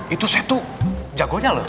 itu saya tuh jagonya loh